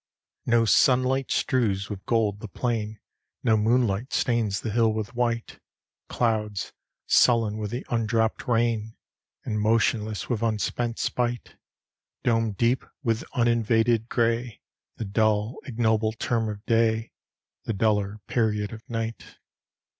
LXIV No sunlight strews with gold the plain; No moonlight stains the hill with white; Clouds, sullen with the undropped rain, And motionless with unspent spite, Dome deep with uninvaded gray The dull, ignoble term of day, The duller period of night.